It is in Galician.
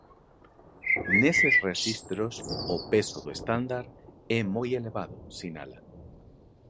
Neses rexistros o peso do estándar é moi elevado, sinala.